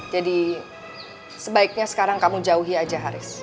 jadi sebaiknya sekarang kamu jauhi aja